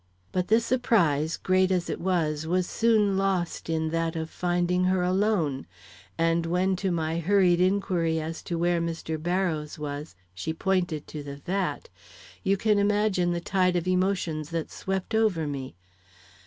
But this surprise, great as it was, was soon lost in that of finding her alone; and when to my hurried inquiry as to where Mr. Barrows was, she pointed to the vat, you can imagine the tide of emotions that swept over me.